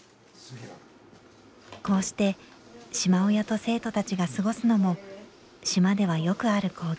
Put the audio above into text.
こうして島親と生徒たちが過ごすのも島ではよくある光景です。